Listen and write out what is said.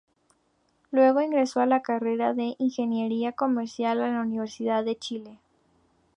Luego ingresó a la carrera de Ingeniería comercial en la Universidad de Chile.